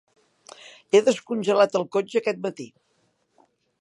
He descongelat el cotxe aquest matí.